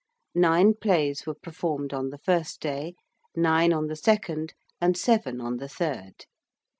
Nine plays were performed on the first day; nine on the second; and seven on the third.